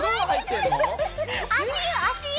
足湯足湯！